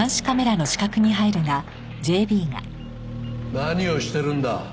何をしてるんだ？